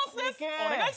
お願いします。